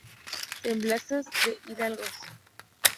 Semblanzas de hidalgos.